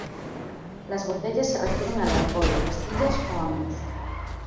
Las botellas se refieren al alcohol, pastillas o ambos.